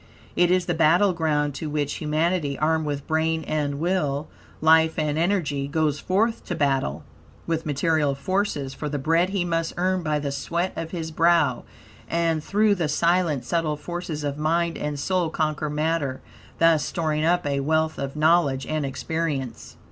It is the battle ground to which humanity, armed with brain and will, life and energy, goes forth to battle with material forces for the bread he must earn by the sweat of his brow, and through the silent, subtle forces of mind and soul conquer matter, thus storing up a wealth of knowledge and experience.